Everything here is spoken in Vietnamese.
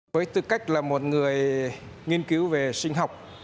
với tư cách là một người nghiên cứu về sinh học